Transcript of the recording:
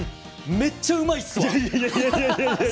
めっちゃうまいっす！